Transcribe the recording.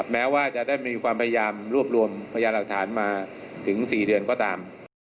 แม้ว่าจะได้มีความพยายามรวบรวมพยานหลักฐานมาถึง๔เดือนก็ตาม